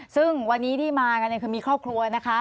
ซึ่งวันนี้ที่มากันคือมีครอบครัวนะคะ